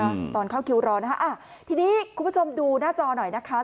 อืมตอนเข้าคิวรอนะฮะอ่าทีนี้คุณผู้ชมดูหน้าจอหน่อยนะคะ